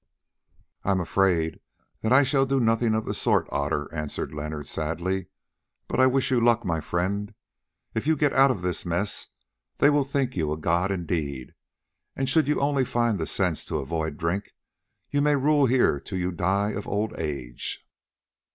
"I am afraid that I shall do nothing of the sort, Otter," answered Leonard sadly, "but I wish you luck, my friend. If you get out of this mess, they will think you a god indeed, and should you only find the sense to avoid drink, you may rule here till you die of old age."